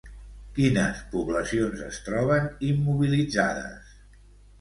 Quines poblacions es troben immobilitzades?